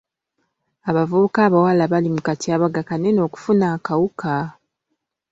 Abavuvuka abawala bali mu katyabaga kanene okufuna akawuka.